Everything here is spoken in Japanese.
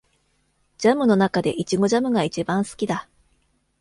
ジャムの中でイチゴジャムが一番好きだ